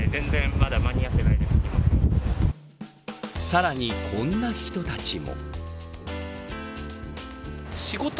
さらに、こんな人たちも。